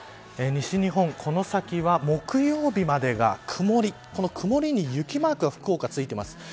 西日本、この先は木曜日まで曇り曇りに雪マークが福岡は、ついてます。